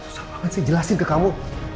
susah banget sih jelasin ke kamu